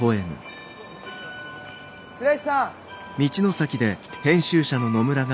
白石さん！